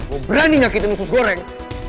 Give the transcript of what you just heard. lo berani gak kita musus goreng